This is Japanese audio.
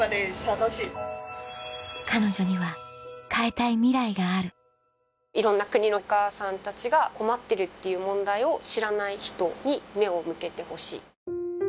彼女には変えたいミライがあるいろんな国のお母さんたちが困ってるっていう問題を知らない人に目を向けてほしい。